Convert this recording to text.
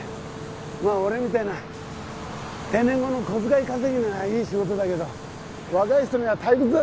まあ俺みたいな定年後の小遣い稼ぎにはいい仕事だけど若い人には退屈だろう？